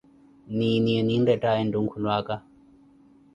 Nini eni enrettaaye ntuulwaka?